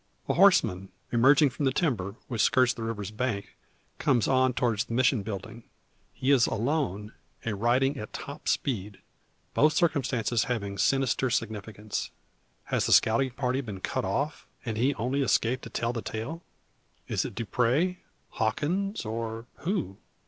A horseman emerging from the timber, which skirts the river's bank, comes on towards the Mission building. He is alone, and riding at top speed both circumstances having sinister significance. Has the scouting party been cut off, and he only escaped to tell the tale? Is it Dupre, Hawkins, or who?